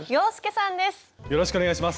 よろしくお願いします。